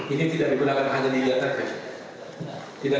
ini tidak digunakan hanya di data ya